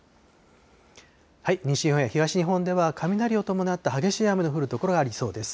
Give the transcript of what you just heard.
西日本や東日本では、雷を伴った激しい雨の降る所がありそうです。